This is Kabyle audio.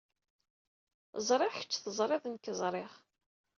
Ẓriɣ kecc teẓriḍ nekk ẓriɣ.